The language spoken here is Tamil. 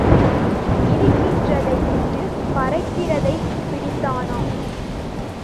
இருக்கிறதை விட்டுப் பறக்கிறதைப் பிடித்தானாம்.